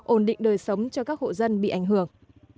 ổn định đời sống cho các hộ dân bị ảnh hưởng